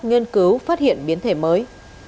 nghiên cứu phát hiện biến thể mới